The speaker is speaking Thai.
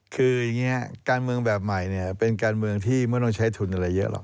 คืออย่างนี้การเมืองแบบใหม่เนี่ยเป็นการเมืองที่ไม่ต้องใช้ทุนอะไรเยอะหรอก